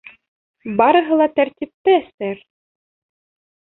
Барыһы ла тәртиптә, сэр.